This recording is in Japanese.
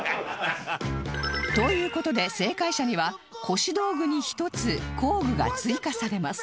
という事で正解者には腰道具に１つ工具が追加されます